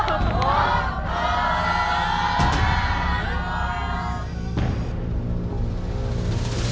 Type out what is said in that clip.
ถูก